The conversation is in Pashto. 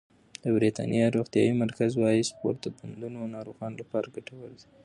د بریتانیا روغتیايي مرکز وايي سپورت د بندونو ناروغانو لپاره ګټور دی.